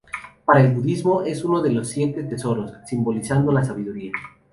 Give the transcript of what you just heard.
Para el budismo es uno de los siete tesoros, simbolizando la sabiduría.